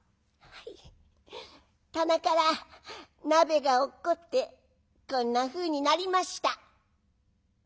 「はい棚から鍋が落っこってこんなふうになりました」。